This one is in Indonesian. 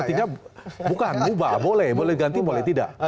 artinya bukan mubah boleh boleh ganti boleh tidak